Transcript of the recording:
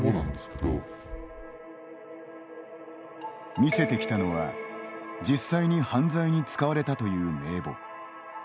見せてきたのは実際に犯罪に使われたという名簿。